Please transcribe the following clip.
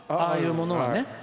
ああいうものがね。